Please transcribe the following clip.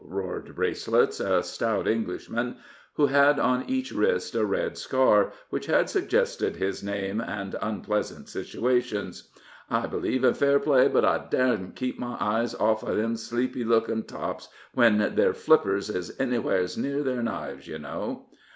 roared Bracelets, a stout Englishman, who had on each wrist a red scar, which had suggested his name and unpleasant situations. "I believe in fair play, but I darsn't keep my eyes hoff of 'em sleepy lookin' tops, when their flippers is anywheres near their knives, you know."